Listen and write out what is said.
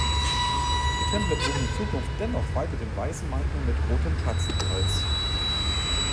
Die Templer trugen in Zukunft dennoch weiter den weißen Mantel mit rotem Tatzenkreuz.